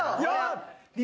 よっ！